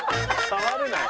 触るなよ。